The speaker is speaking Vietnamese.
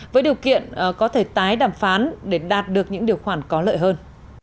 với điều kiện có thể tái đàm phán để đạt được những điều khoản có lợi hơn